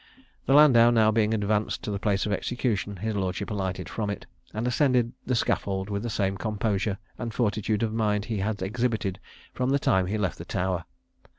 The landau being now advanced to the place of execution, his lordship alighted from it, and ascended the scaffold with the same composure and fortitude of mind he had exhibited from the time he left the Tower.